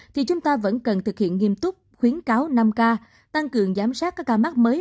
thì chúng ta vẫn cần thực hiện nghiêm túc khuyến cáo năm k tăng cường giám sát các ca mắc mới